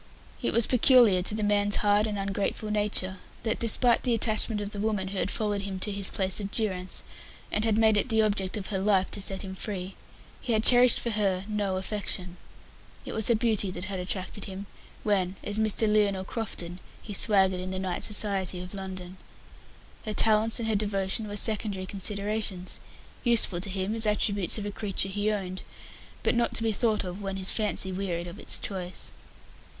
It was peculiar to the man's hard and ungrateful nature that, despite the attachment of the woman who had followed him to his place of durance, and had made it the object of her life to set him free, he had cherished for her no affection. It was her beauty that had attracted him, when, as Mr. Lionel Crofton, he swaggered in the night society of London. Her talents and her devotion were secondary considerations useful to him as attributes of a creature he owned, but not to be thought of when his fancy wearied of its choice.